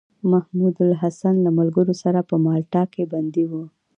محمودالحسن له ملګرو سره په مالټا کې بندي و.